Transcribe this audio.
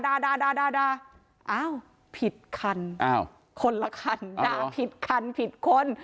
อ้าวผิดคันคนละคันด่าผิดคันผิดคน